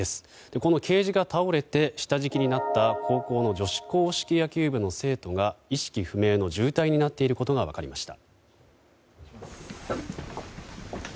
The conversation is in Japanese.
このケージが倒れて下敷きになった高校の女子硬式野球部の生徒が意識不明の重体になっていることが分かりました。